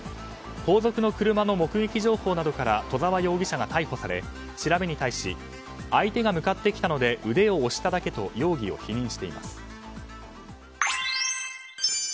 後続の車の目撃情報などから戸沢容疑者が逮捕され調べに対し相手が向かってきたので腕を押しただけと容疑を否認しています。